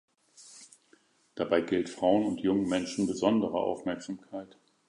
Dabei gilt Frauen und jungen Menschen besondere Aufmerksamkeit.